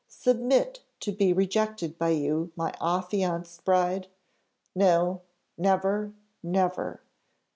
submit to be rejected by you, my affianced bride! No, never never!